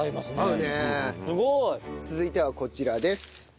すごい！続いてはこちらです。